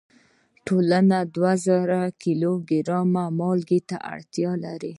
ټولنه دوه زره کیلو ګرامه مالګې ته اړتیا لري.